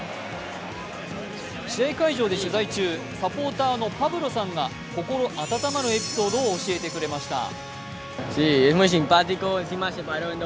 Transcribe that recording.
試合会場で取材中、サポーターのパブロさんが心温まるエピソードを教えてくれました。